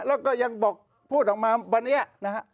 แล้วก็ยังบอกพูดออกมาวันนี้นะฮะ